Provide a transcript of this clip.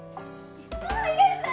あいらっしゃい。